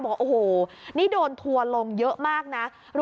บอกโอ้โหนี่โดนทัวร์ลงเยอะมากนะ